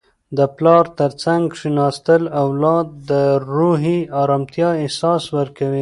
د پلار تر څنګ کښیناستل اولاد ته د روحي ارامتیا احساس ورکوي.